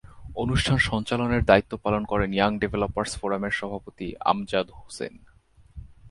অনুষ্ঠান সঞ্চালনের দায়িত্ব পালন করেন ইয়াং ডেভেলপারস ফোরামের সভাপতি আমজাদ হোসেন।